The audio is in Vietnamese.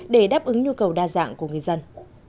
để đáp ứng nhu cầu đa dạng của người dân